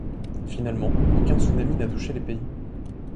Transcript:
Finalement aucun tsunami n'a touché les pays.